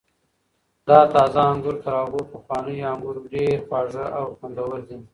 دا تازه انګور تر هغو پخوانیو انګور ډېر خوږ او خوندور دي.